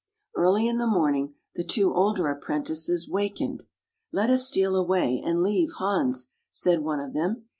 Early in the morning the two older ap prentices wakened. " Let us steal away and leave Hans," said one of them.